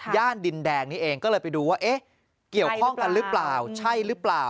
ดินแดงนี้เองก็เลยไปดูว่าเอ๊ะเกี่ยวข้องกันหรือเปล่าใช่หรือเปล่า